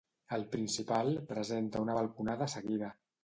El principal presenta una balconada seguida.